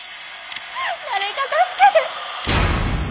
誰か助けて！